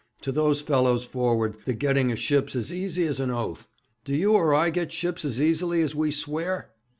To those fellows forward the getting a ship's as easy as an oath. Do you or I get ships as easily as we swear?'